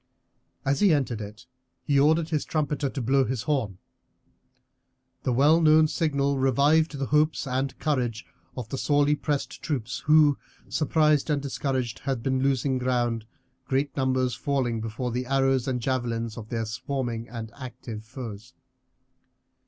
As he entered it he ordered his trumpeter to blow his horn. The well known signal revived the hopes and courage of the sorely pressed troops, who, surprised and discouraged, had been losing ground, great numbers falling before the arrows and javelins of their swarming and active foes.